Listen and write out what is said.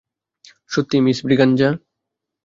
সত্যি মিস ব্রিগাঞ্জা?